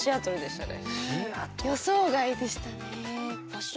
予想外でしたね。